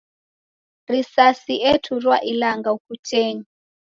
Risasi eturua ilanga ukutenyi.